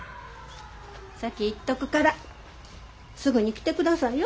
先行っとくからすぐに来てくださいよ。